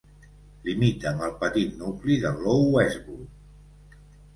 Limita amb el petit nucli de Low Westwood.